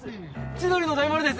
千鳥の大丸です！